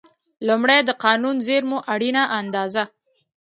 لومړی: د قانوني زېرمو اړینه اندازه.